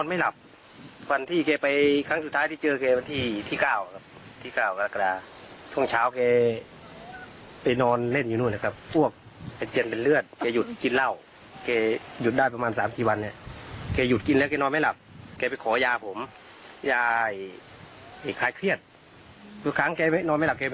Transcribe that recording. ไอ้คล้ายเครียดทุกครั้งแกนอนไม่หลับแกไปขอผมไปจำ